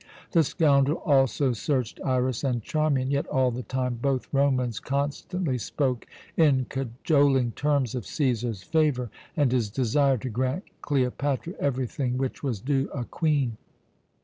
"The scoundrel also searched Iras and Charmian, yet all the time both Romans constantly spoke in cajoling terms of Cæsar's favour; and his desire to grant Cleopatra everything which was due a Queen.